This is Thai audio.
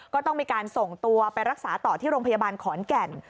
ก็ต้องมีการส่งตัวไปรักษาต่อที่โรงพยาบาลขอนแก่น